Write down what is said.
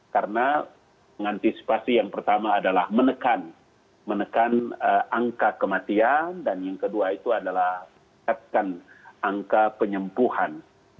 karena mengantisipasi yang pertama adalah menekan menekan angka kematian dan yang kedua itu adalah menekan angka penyempuhan